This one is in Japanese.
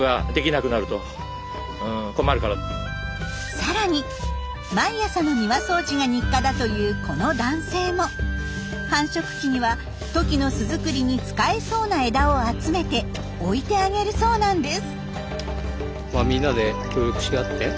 さらに毎朝の庭掃除が日課だというこの男性も繁殖期にはトキの巣作りに使えそうな枝を集めて置いてあげるそうなんです。